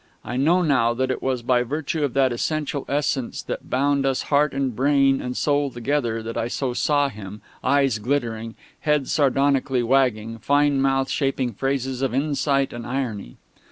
I know now that it was by virtue of that essential essence that bound us heart and brain and soul together that I so saw him, eyes glittering, head sardonically wagging, fine mouth shaping phrases of insight and irony.